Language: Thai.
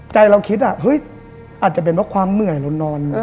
เราคิดอาจจะเป็นเพราะความเหนื่อยเรานอน